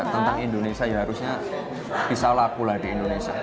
tentang indonesia ya harusnya bisa laku lah di indonesia